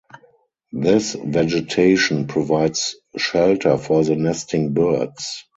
This vegetation provides shelter for the nesting birds.